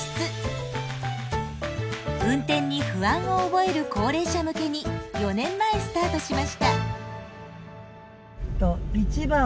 運転に不安を覚える高齢者向けに４年前スタートしました。